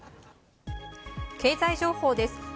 経済情報です。